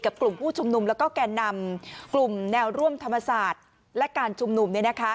กลุ่มผู้ชุมนุมแล้วก็แก่นำกลุ่มแนวร่วมธรรมศาสตร์และการชุมนุม